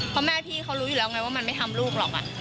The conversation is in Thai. เพราะแม่พี่เขารู้อยู่แล้วไงว่ามันไม่ทำลูกหรอก